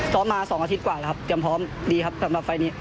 ซ้อมมา๒อาทิตย์กว่าแล้วครับเตรียมพร้อมดีครับสำหรับไฟล์นี้